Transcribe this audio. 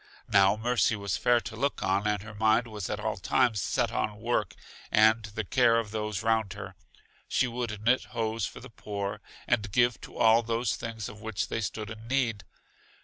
Now Mercy was fair to look on and her mind was at all times set on work and the care of those round her. She would knit hose for the poor, and give to all those things of which they stood in need.